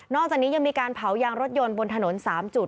อกจากนี้ยังมีการเผายางรถยนต์บนถนน๓จุด